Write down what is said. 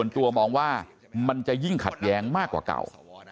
ตัวมองว่ามันจะยิ่งขัดแย้งมากกว่าเก่า